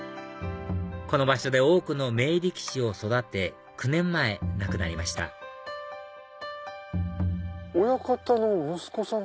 この場所で多くの名力士を育て９年前亡くなりました親方の息子さん？